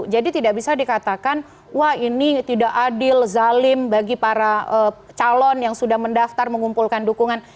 jadi tidak bisa dikatakan wah ini tidak adil zalim bagi para calon yang sudah mendaftar mengumpulkan dukungan